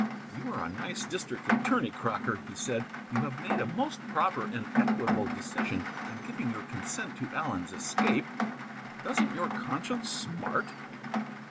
"You are a nice district attorney, Crocker," he said. "You have made a most proper and equitable decision in giving your consent to Allen's escape. Doesn't your conscience smart?"